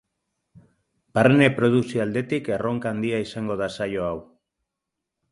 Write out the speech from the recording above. Barne produkzio aldetik erronka handia izango da saio hau.